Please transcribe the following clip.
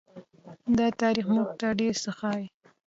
دا تاریخ موږ ته ډېر څه ښيي.